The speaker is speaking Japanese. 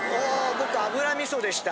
僕油味噌でした。